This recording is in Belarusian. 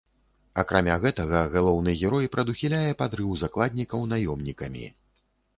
Акрамя гэтага, галоўны герой прадухіляе падрыў закладнікаў наёмнікамі.